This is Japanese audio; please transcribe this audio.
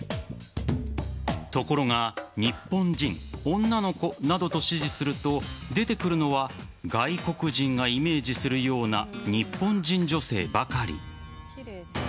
ところが日本人、女の子などと指示すると出てくるのは外国人がイメージするような日本人女性ばかり。